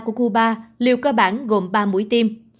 abdala cucuba liệu cơ bản gồm ba mũi tiêm